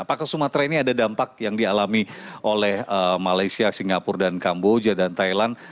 apakah sumatera ini ada dampak yang dialami oleh malaysia singapura dan kamboja dan thailand